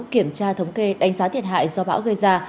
kiểm tra thống kê đánh giá thiệt hại do bão gây ra